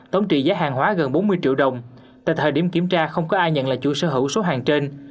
tổng trị giá hàng hóa gần bốn mươi triệu đồng tại thời điểm kiểm tra không có ai nhận là chủ sở hữu số hàng trên